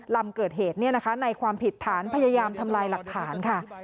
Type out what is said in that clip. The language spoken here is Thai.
ลำเกิดเหตุในความผิดฐานพยายามทำลายหลักฐานค่ะ